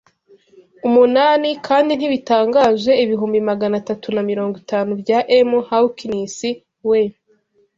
umunani, 'kandi ntibitangaje; ibihumbi magana atatu na mirongo itanu bya 'em, Hawkins! We